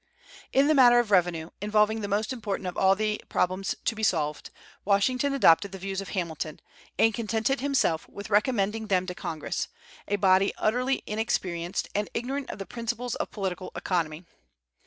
In the matter of revenue, involving the most important of all the problems to be solved, Washington adopted the views of Hamilton, and contented himself with recommending them to Congress, a body utterly inexperienced, and ignorant of the principles of political economy.